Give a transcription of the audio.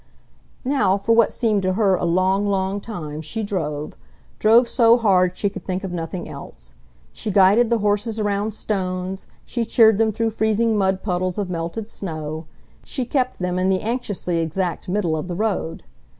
Now for what seemed to her a long, long time she drove, drove so hard she could think of nothing else. She guided the horses around stones, she cheered them through freezing mud puddles of melted snow, she kept them in the anxiously exact middle of the road.